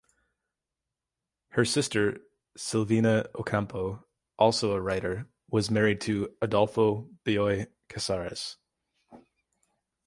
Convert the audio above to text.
Her sister, Silvina Ocampo, also a writer, was married to Adolfo Bioy Casares.